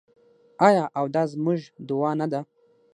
آیا او دا زموږ دعا نه ده؟